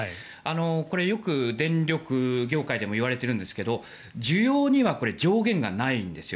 これ、よく電力業界でも言われているんですが需要には上限がないんです。